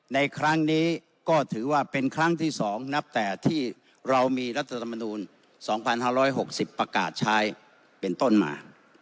ในครั้งนี้ก็ถือว่าเป็นครั้งที่๒นับแต่ที่เรามีรัฐธรรมนูล๒๕๖๐ประกาศใช้เป็นต้นมา